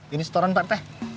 ini setoran pak rt